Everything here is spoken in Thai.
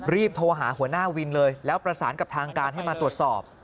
โทรหาหัวหน้าวินเลยแล้วประสานกับทางการให้มาตรวจสอบ